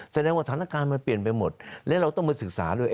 แสดงว่าสถานการณ์มันเปลี่ยนไปหมดและเราต้องมาศึกษาด้วย